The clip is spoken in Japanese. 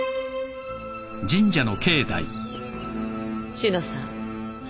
志乃さん。